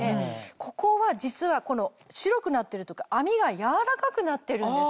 ここは実は白くなってるとこ編みが柔らかくなってるんです。